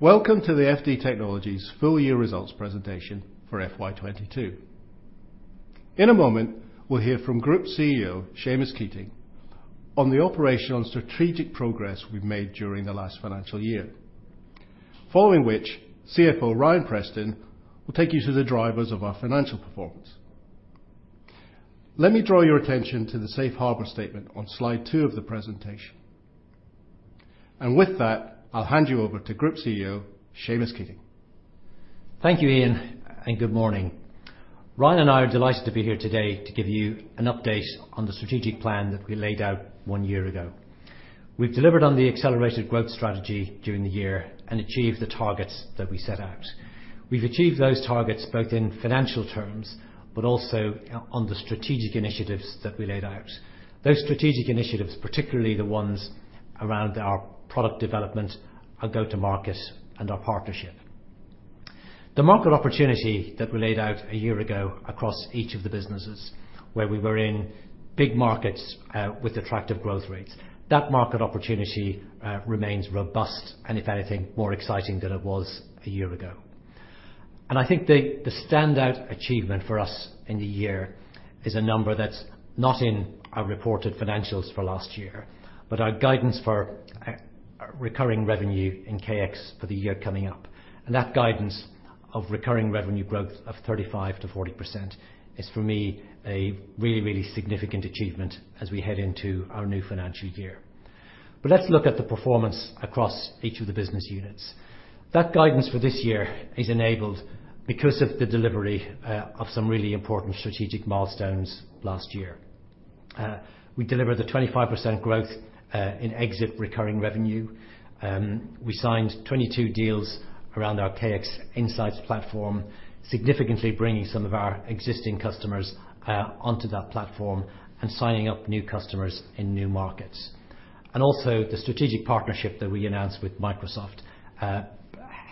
Welcome to the FD Technologies full year results presentation for FY22. In a moment, we'll hear from Group CEO Seamus Keating on the operational and strategic progress we've made during the last financial year, following which CFO Ryan Preston will take you through the drivers of our financial performance. Let me draw your attention to the Safe Harbor statement on slide two of the presentation. With that, I'll hand you over to Group CEO Seamus Keating. Thank you, Ian, and good morning. Ryan and I are delighted to be here today to give you an update on the strategic plan that we laid out one year ago. We've delivered on the accelerated growth strategy during the year and achieved the targets that we set out. We've achieved those targets both in financial terms, but also on the strategic initiatives that we laid out. Those strategic initiatives, particularly the ones around our product development, our go-to market, and our partnership. The market opportunity that we laid out a year ago across each of the businesses where we were in big markets with attractive growth rates, that market opportunity remains robust and if anything, more exciting than it was a year ago. I think the standout achievement for us in the year is a number that's not in our reported financials for last year, but our guidance for recurring revenue in KX for the year coming up. That guidance of recurring revenue growth of 35%-40% is, for me, a really, really significant achievement as we head into our new financial year. Let's look at the performance across each of the business units. That guidance for this year is enabled because of the delivery of some really important strategic milestones last year. We delivered the 25% growth in exit recurring revenue. We signed 22 deals around our KX Insights platform, significantly bringing some of our existing customers onto that platform and signing up new customers in new markets. Also the strategic partnership that we announced with Microsoft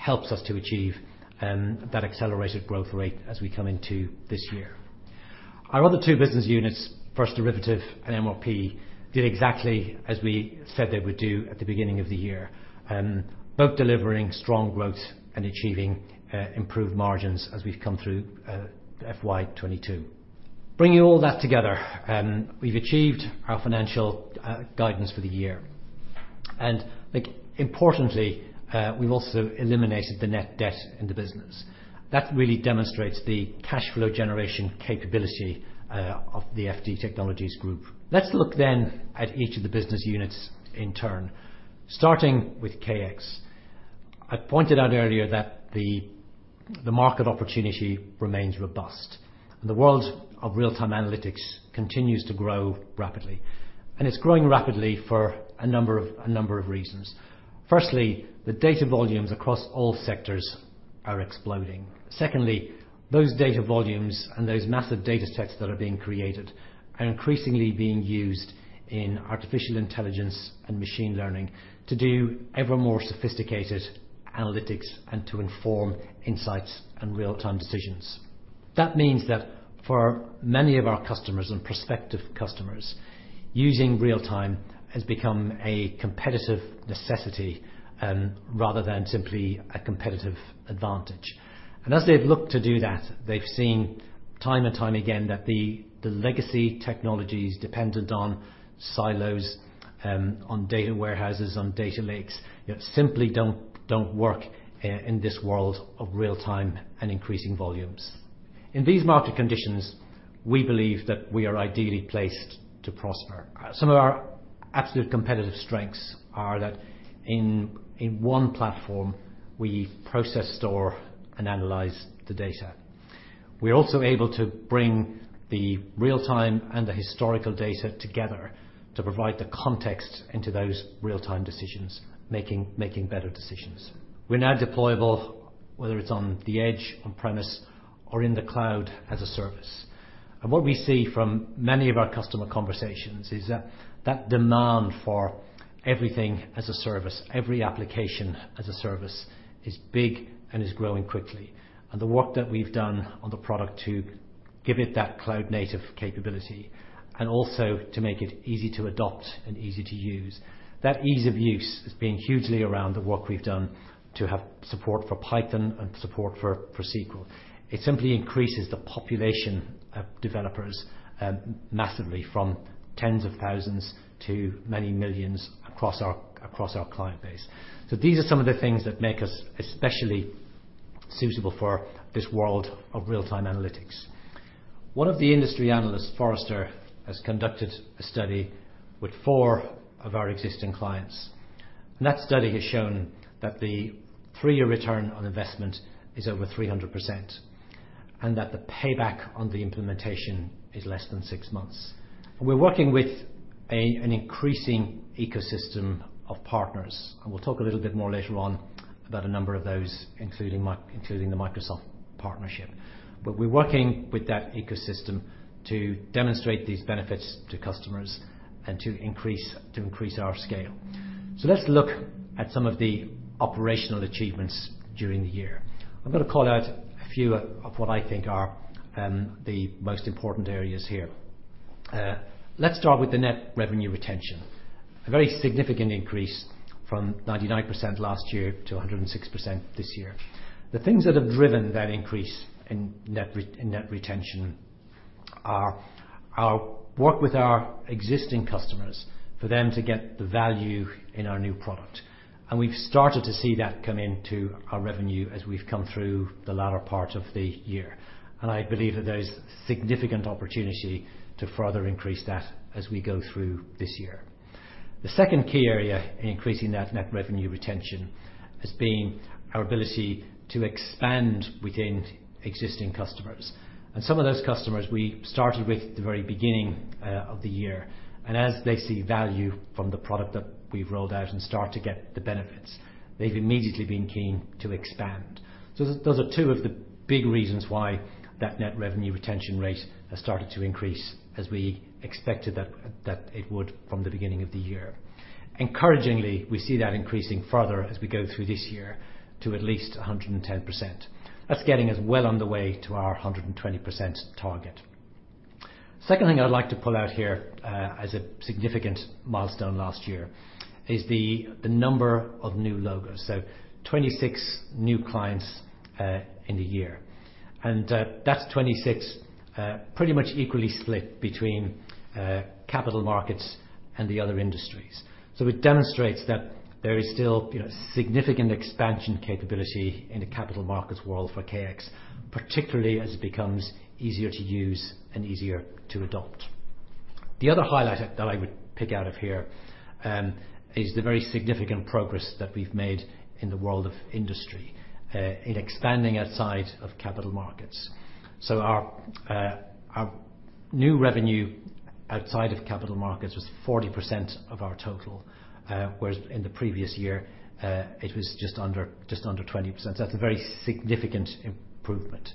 helps us to achieve that accelerated growth rate as we come into this year. Our other two business units, First Derivative and MRP, did exactly as we said they would do at the beginning of the year. Both delivering strong growth and achieving improved margins as we've come through FY 2022. Bringing all that together, we've achieved our financial guidance for the year. Like importantly, we've also eliminated the net debt in the business. That really demonstrates the cash flow generation capability of the FD Technologies group. Let's look then at each of the business units in turn, starting with KX. I pointed out earlier that the market opportunity remains robust and the world of real-time analytics continues to grow rapidly, and it's growing rapidly for a number of reasons. Firstly, the data volumes across all sectors are exploding. Secondly, those data volumes and those massive datasets that are being created are increasingly being used in artificial intelligence and machine learning to do ever more sophisticated analytics and to inform insights and real-time decisions. That means that for many of our customers and prospective customers, using real-time has become a competitive necessity rather than simply a competitive advantage. As they've looked to do that, they've seen time and time again that the legacy technologies dependent on silos, on data warehouses, on data lakes, you know, simply don't work in this world of real time and increasing volumes. In these market conditions, we believe that we are ideally placed to prosper. Some of our absolute competitive strengths are that in one platform, we process, store, and analyze the data. We're also able to bring the real time and the historical data together to provide the context into those real-time decisions, making better decisions. We're now deployable, whether it's on the edge, on premise or in the cloud as a service. What we see from many of our customer conversations is that demand for Everything as a Service, every Application as a Service is big and is growing quickly. The work that we've done on the product to give it that cloud native capability and also to make it easy to adopt and easy to use, that ease of use has been hugely around the work we've done to have support for Python and support for SQL. It simply increases the population of developers massively from tens of thousands to many millions across our client base. These are some of the things that make us especially suitable for this world of real-time analytics. One of the industry analysts, Forrester, has conducted a study with four of our existing clients, and that study has shown that the three-year return on investment is over 300% and that the payback on the implementation is less than six months. We're working with an increasing ecosystem of partners, and we'll talk a little bit more later on about a number of those, including the Microsoft partnership. We're working with that ecosystem to demonstrate these benefits to customers and to increase our scale. Let's look at some of the operational achievements during the year. I'm gonna call out a few of what I think are the most important areas here. Let's start with the net revenue retention. A very significant increase from 99% last year to 106% this year. The things that have driven that increase in net retention are our work with our existing customers for them to get the value in our new product and we've started to see that come into our revenue as we've come through the latter part of the year. I believe that there's significant opportunity to further increase that as we go through this year. The second key area in increasing that net revenue retention has been our ability to expand within existing customers. Some of those customers we started with at the very beginning of the year. As they see value from the product that we've rolled out and start to get the benefits, they've immediately been keen to expand. Those are two of the big reasons why that net revenue retention rate has started to increase as we expected that it would from the beginning of the year. Encouragingly, we see that increasing further as we go through this year to at least 110%, that's getting us well on the way to our 120% target. Second thing I'd like to pull out here as a significant milestone last year is the number of new logos, 26 new clients in the year. That's 26 pretty much equally split between capital markets and the other industries. It demonstrates that there is still, you know, significant expansion capability in the capital markets world for KX, particularly as it becomes easier to use and easier to adopt. The other highlight that I would pick out of here is the very significant progress that we've made in the world of industry in expanding outside of capital markets. Our new revenue outside of capital markets was 40% of our total, whereas in the previous year, it was just under 20%. That's a very significant improvement.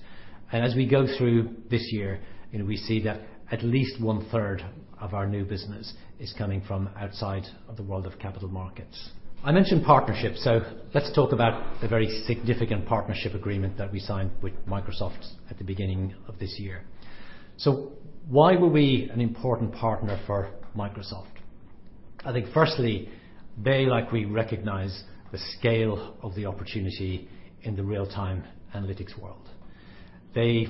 As we go through this year and we see that at least 1/3 of our new business is coming from outside of the world of capital markets. I mentioned partnerships, so let's talk about the very significant partnership agreement that we signed with Microsoft at the beginning of this year. Why were we an important partner for Microsoft? I think firstly, they, like we, recognize the scale of the opportunity in the real-time analytics world. They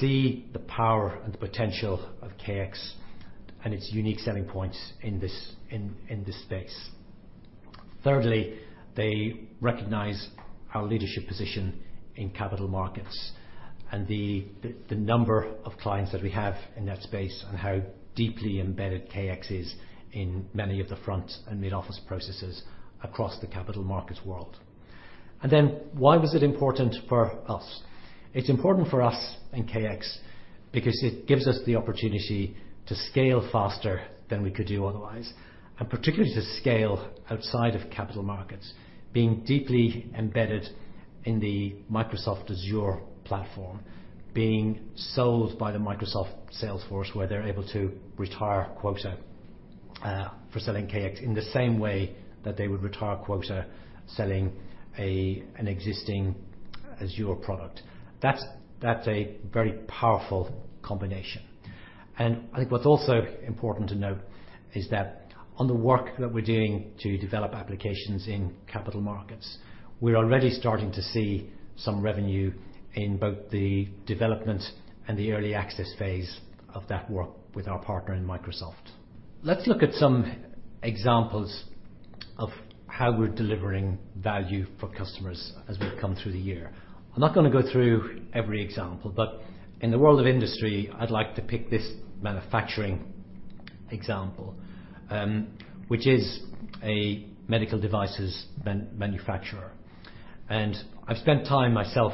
see the power and the potential of KX and its unique selling points in this space. Thirdly, they recognize our leadership position in capital markets and the number of clients that we have in that space and how deeply embedded KX is in many of the front and mid-office processes across the capital markets world. Why was it important for us? It's important for us in KX because it gives us the opportunity to scale faster than we could do otherwise, and particularly to scale outside of capital markets, being deeply embedded in the Microsoft Azure platform, being sold by the Microsoft Salesforce, where they're able to retire quota for selling KX in the same way that they would retire quota selling an existing Azure product. That's a very powerful combination. I think what's also important to note is that on the work that we're doing to develop applications in capital markets, we're already starting to see some revenue in both the development and the early access phase of that work with our partner Microsoft. Let's look at some examples of how we're delivering value for customers as we've come through the year. I'm not gonna go through every example, but in the world of industry, I'd like to pick this manufacturing example, which is a medical devices manufacturer. I've spent time myself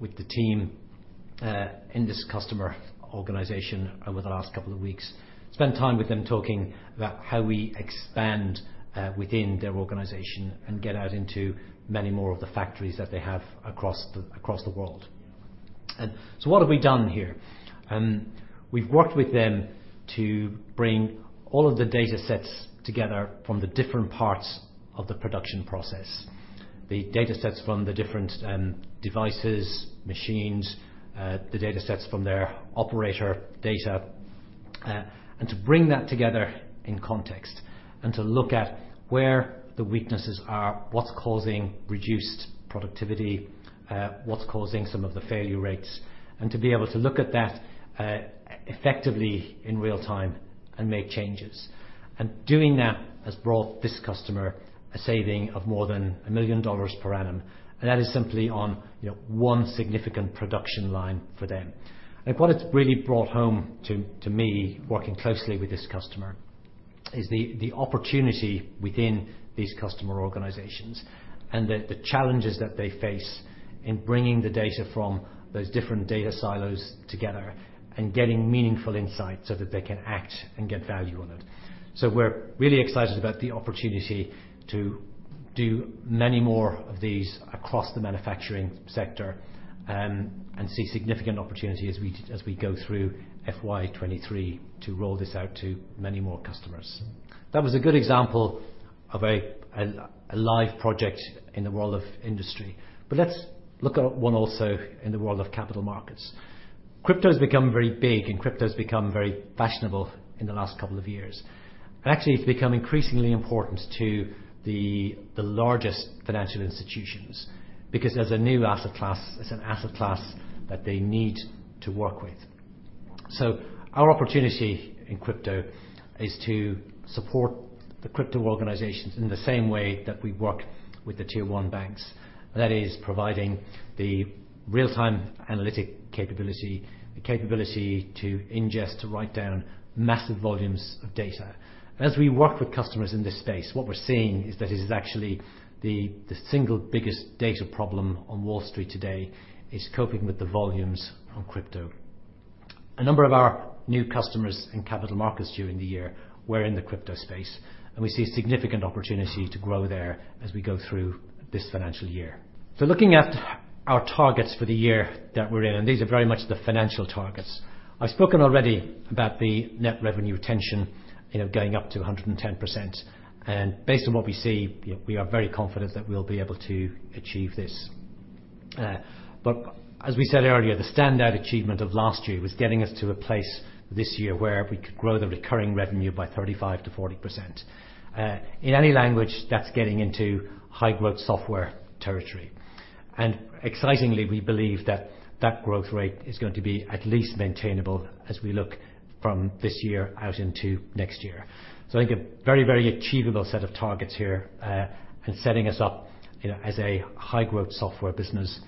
with the team in this customer organization over the last couple of weeks, spent time with them talking about how we expand within their organization and get out into many more of the factories that they have across the world. So what have we done here? We've worked with them to bring all of the datasets together from the different parts of the production process. The datasets from the different devices, machines, the datasets from their operator data, and to bring that together in context and to look at where the weaknesses are, what's causing reduced productivity, what's causing some of the failure rates, and to be able to look at that effectively in real time and make changes. Doing that has brought this customer a saving of more than $1 million per annum, and that is simply on, you know, one significant production line for them. What it's really brought home to me, working closely with this customer, is the opportunity within these customer organizations and the challenges that they face in bringing the data from those different data silos together and getting meaningful insights so that they can act and get value on it. We're really excited about the opportunity to do many more of these across the manufacturing sector, and see significant opportunity as we go through FY 2023 to roll this out to many more customers. That was a good example of a live project in the world of industry. Let's look at one also in the world of capital markets. Crypto's become very big, and crypto's become very fashionable in the last couple of years. Actually, it's become increasingly important to the largest financial institutions because there's a new asset class, it's an asset class that they need to work with. Our opportunity in crypto is to support the crypto organizations in the same way that we work with the Tier 1 banks. That is providing the real-time analytic capability, the capability to ingest, to write down massive volumes of data. As we work with customers in this space, what we're seeing is that it is actually the single biggest data problem on Wall Street today is coping with the volumes on crypto. A number of our new customers in capital markets during the year were in the crypto space, and we see a significant opportunity to grow there as we go through this financial year. Looking at our targets for the year that we're in, and these are very much the financial targets. I've spoken already about the net revenue retention, you know, going up to 110%. Based on what we see, we are very confident that we'll be able to achieve this. As we said earlier, the standout achievement of last year was getting us to a place this year where we could grow the recurring revenue by 35%-40%. In any language, that's getting into high-growth software territory. Excitingly, we believe that that growth rate is going to be at least maintainable as we look from this year out into next year. I think a very, very achievable set of targets here and setting us up, you know, as a high-growth software business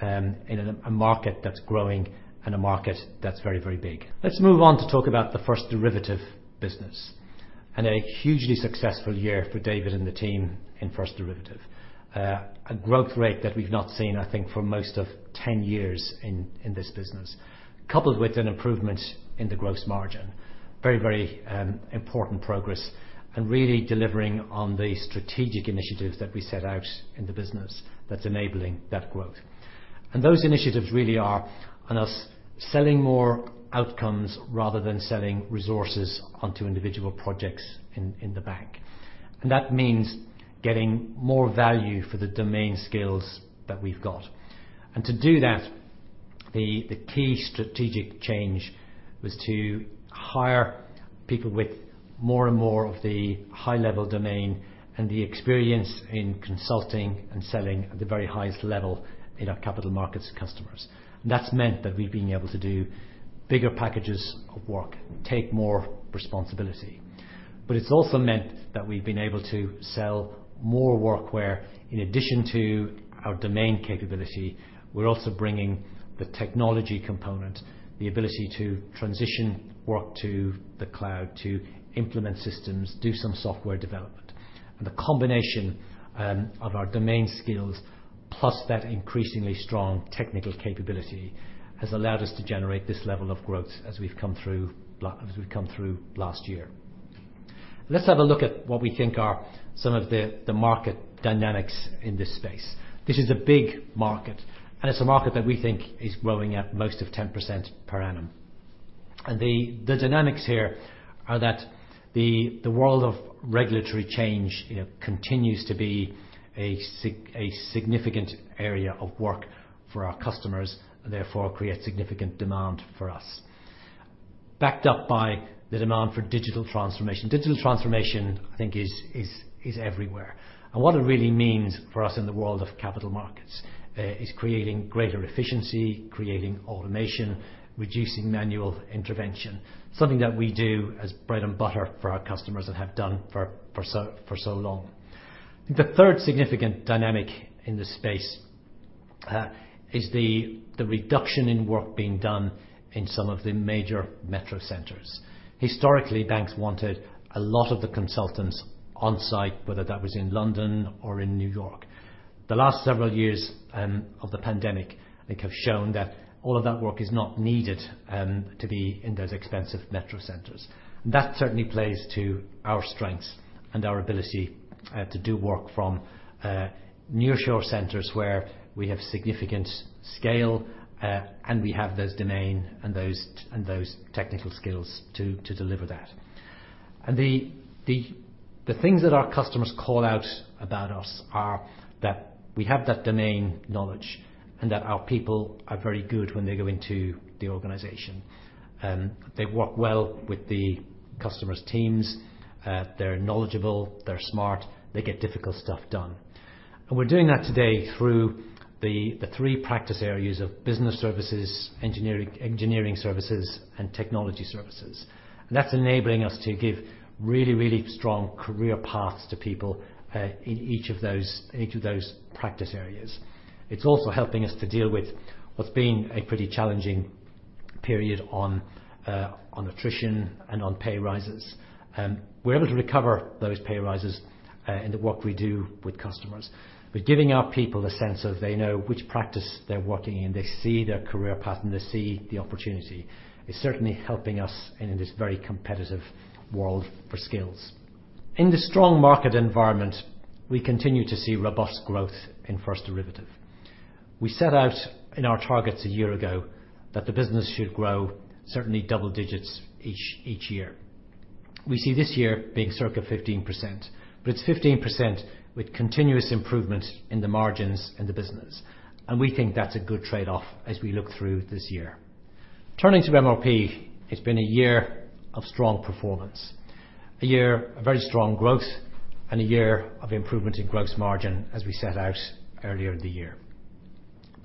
in a market that's growing and a market that's very, very big. Let's move on to talk about the First Derivative business, and a hugely successful year for David and the team in First Derivative. A growth rate that we've not seen, I think, for most of ten years in this business, coupled with an improvement in the gross margin. Very, very important progress and really delivering on the strategic initiatives that we set out in the business that's enabling that growth. Those initiatives really are on us selling more outcomes rather than selling resources onto individual projects in the bank. That means getting more value for the domain skills that we've got. To do that, the key strategic change was to hire people with more and more of the high-level domain and the experience in consulting and selling at the very highest level in our capital markets customers and that's meant that we've been able to do bigger packages of work, take more responsibility. It's also meant that we've been able to sell more work where, in addition to our domain capability, we're also bringing the technology component, the ability to transition work to the cloud, to implement systems, do some software development. The combination of our domain skills plus that increasingly strong technical capability has allowed us to generate this level of growth as we've come through last year. Let's have a look at what we think are some of the market dynamics in this space. This is a big market, and it's a market that we think is growing at most of 10% per annum. The dynamics here are that the world of regulatory change, you know, continues to be a significant area of work for our customers, therefore creates significant demand for us. Backed up by the demand for digital transformation. Digital transformation, I think, is everywhere. What it really means for us in the world of capital markets is creating greater efficiency, creating automation, reducing manual intervention, something that we do as bread and butter for our customers and have done for so long. The third significant dynamic in this space is the reduction in work being done in some of the major metro centers. Historically, banks wanted a lot of the consultants on-site, whether that was in London or in New York. The last several years of the pandemic, I think, have shown that all of that work is not needed to be in those expensive metro centers. That certainly plays to our strengths and our ability to do work from nearshore centers where we have significant scale and we have those domain and those technical skills to deliver that. The things that our customers call out about us are that we have that domain knowledge and that our people are very good when they go into the organization and they work well with the customer's teams. They're knowledgeable, they're smart, they get difficult stuff done. We're doing that today through the three practice areas of business services, engineering services, and technology services. That's enabling us to give really strong career paths to people in each of those practice areas. It's also helping us to deal with what's been a pretty challenging period on attrition and on pay rises. We're able to recover those pay rises in the work we do with customers. We're giving our people a sense of they know which practice they're working in, they see their career path, and they see the opportunity. It's certainly helping us in this very competitive world for skills. In the strong market environment, we continue to see robust growth in First Derivative. We set out in our targets a year ago that the business should grow certainly double digits each year. We see this year being circa 15%, but it's 15% with continuous improvement in the margins in the business, and we think that's a good trade-off as we look through this year. Turning to MRP, it's been a year of strong performance, a year of very strong growth, and a year of improvement in gross margin as we set out earlier in the year.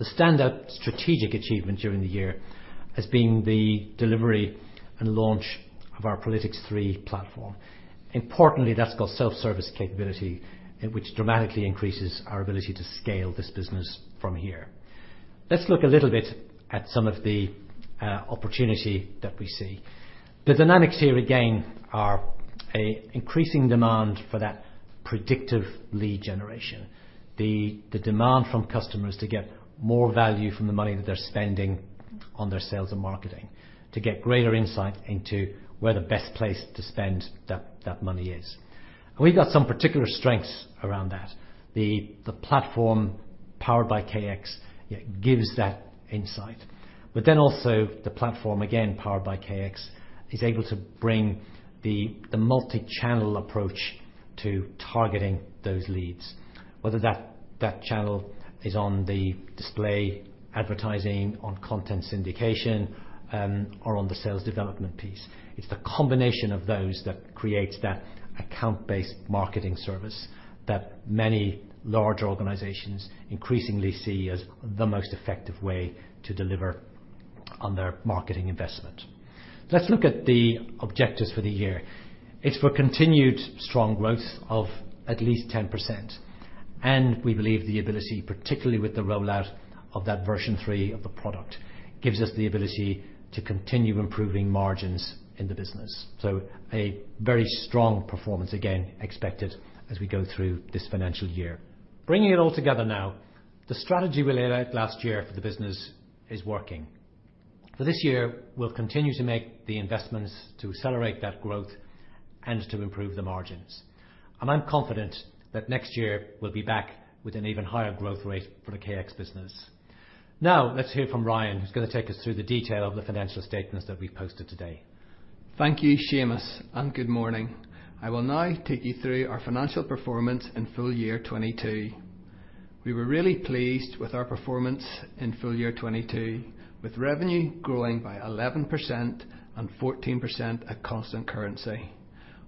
The standout strategic achievement during the year has been the delivery and launch of our Prelytix 3 platform. Importantly, that's got self-service capability, which dramatically increases our ability to scale this business from here. Let's look a little bit at some of the opportunity that we see. The dynamics here, again, are an increasing demand for that predictive lead generation, the demand from customers to get more value from the money that they're spending on their sales and marketing, to get greater insight into where the best place to spend that money is. We've got some particular strengths around that. The platform powered by KX, it gives that insight. Also the platform, again, powered by KX, is able to bring the multi-channel approach to targeting those leads, whether that channel is on the display advertising, on content syndication, or on the sales development piece. It's the combination of those that creates that account-based marketing service that many large organizations increasingly see as the most effective way to deliver on their marketing investment. Let's look at the objectives for the year. It's for continued strong growth of at least 10%, and we believe the ability, particularly with the rollout of that version 3 of the product, gives us the ability to continue improving margins in the business. A very strong performance again expected as we go through this financial year. Bringing it all together now, the strategy we laid out last year for the business is working. For this year, we'll continue to make the investments to accelerate that growth and to improve the margins. I'm confident that next year we'll be back with an even higher growth rate for the KX business. Now let's hear from Ryan, who's gonna take us through the detail of the financial statements that we posted today. Thank you, Seamus, and good morning. I will now take you through our financial performance in full year 2022. We were really pleased with our performance in full year 2022, with revenue growing by 11% and 14% at constant currency.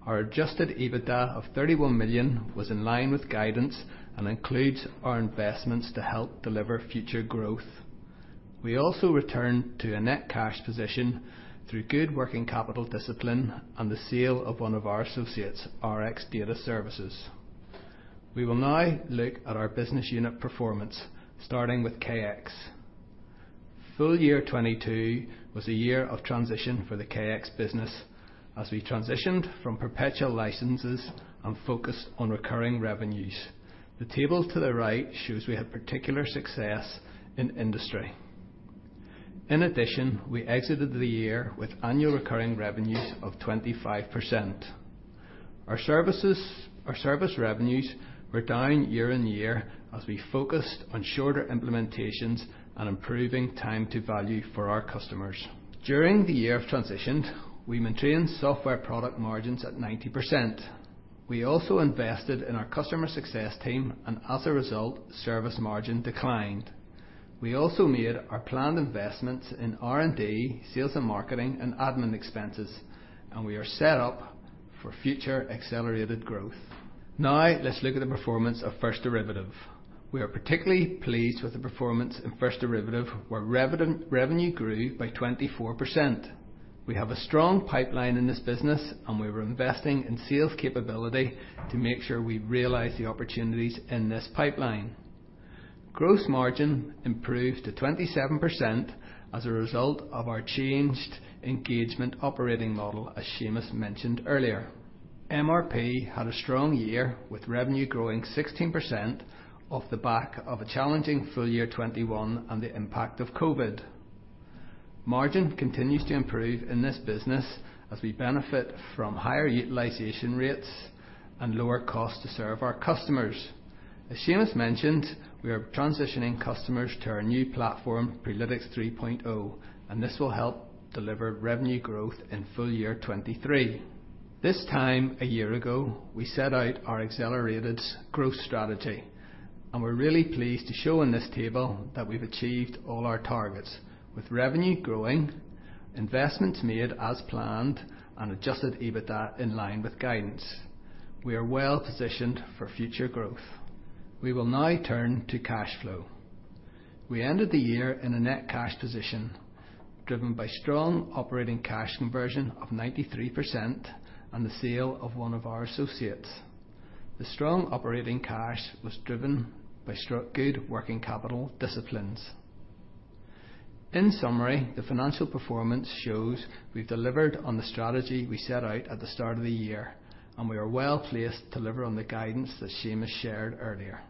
Our adjusted EBITDA of 31 million was in line with guidance and includes our investments to help deliver future growth. We also returned to a net cash position through good working capital discipline and the sale of one of our associates, Rx Data Services. We will now look at our business unit performance, starting with KX. Full year 2022 was a year of transition for the KX business as we transitioned from perpetual licenses and focused on recurring revenues. The table to the right shows we have particular success in industry. In addition, we exited the year with annual recurring revenues of 25%. Our service revenues were down year-over-year as we focused on shorter implementations and improving time to value for our customers. During the year of transition, we maintained software product margins at 90%. We also invested in our customer success team and, as a result, service margin declined. We also made our planned investments in R&D, sales and marketing, and admin expenses, and we are set up for future accelerated growth. Now let's look at the performance of First Derivative. We are particularly pleased with the performance in First Derivative, where revenue grew by 24%. We have a strong pipeline in this business, and we are investing in sales capability to make sure we realize the opportunities in this pipeline. Gross margin improved to 27% as a result of our changed engagement operating model, as Seamus mentioned earlier. MRP had a strong year with revenue growing 16% off the back of a challenging full year 2021 and the impact of COVID. Margin continues to improve in this business as we benefit from higher utilization rates and lower costs to serve our customers. As Seamus mentioned, we are transitioning customers to our new platform, Prelytix 3.0, and this will help deliver revenue growth in full year 2023. This time a year ago, we set out our accelerated growth strategy, and we're really pleased to show in this table that we've achieved all our targets. With revenue growing, investments made as planned, and adjusted EBITDA in line with guidance. We are well-positioned for future growth. We will now turn to cash flow. We ended the year in a net cash position, driven by strong operating cash conversion of 93% and the sale of one of our associates. The strong operating cash was driven by good working capital disciplines. In summary, the financial performance shows we've delivered on the strategy we set out at the start of the year, and we are well placed to deliver on the guidance that Seamus shared earlier.